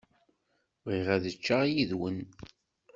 Bɣiɣ ad ččeɣ yid-wen.